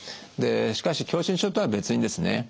でしかし狭心症とは別にですね